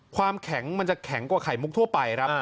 ความแข็งมันจะแข็งกว่าไข่มุกทั่วไปครับ